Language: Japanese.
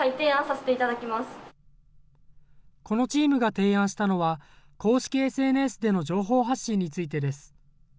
提案したのは、公式ＳＮＳでの情報発信についてです。